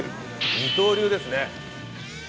二刀流ですね。